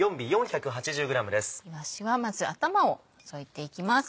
いわしはまず頭をそいでいきます。